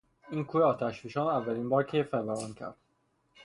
این کوه آتشفشان اولین بار کی فوران کرد؟